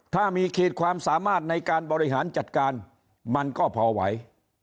ถ้ามีขีดความสามารถในการบริหารจัดการมันก็พอไหว